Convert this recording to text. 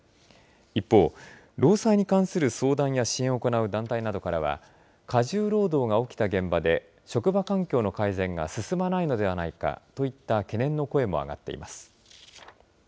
一方、労災に関する相談や支援を行う団体などからは、過重労働が起きた現場で職場環境の改善が進まないのではないかといった懸念の声も上がっています。